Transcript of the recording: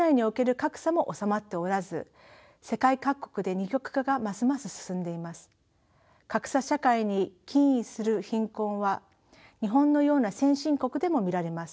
格差社会に起因する貧困は日本のような先進国でも見られます。